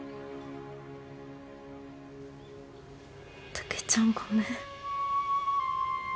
たけちゃんごめん。